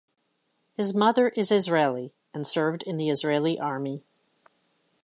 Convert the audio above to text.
His mother is Israeli and served in the Israeli army.